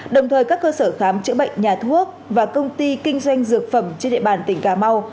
đồng thời các cơ sở khám chữa bệnh nhà thuốc và công ty kinh doanh dược phẩm trên địa bàn tỉnh cà mau